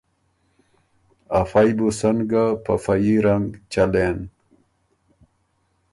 ا فئ بُو سن ګه په فه يي رنګ چلېن۔